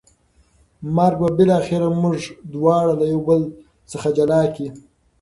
مرګ به بالاخره موږ دواړه له یو بل څخه جلا کړي.